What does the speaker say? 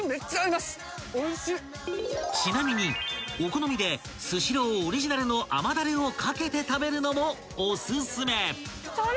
［ちなみにお好みでスシローオリジナルの甘だれを掛けて食べるのもお薦め］